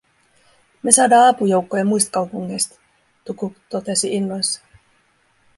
"Me saadaa apujoukkoja muist kaupungeist", Tukuk totesi innoissaan.